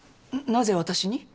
なぜ私に？